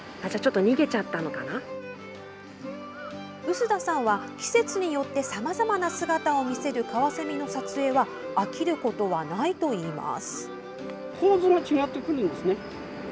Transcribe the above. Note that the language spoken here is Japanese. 臼田さんは、季節によってさまざまな姿を見せるカワセミの撮影は飽きることはないといいます。